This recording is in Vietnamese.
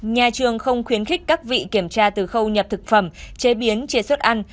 nhà trường không khuyến khích các vị kiểm tra từ khâu nhập thực phẩm chế biến chế xuất ăn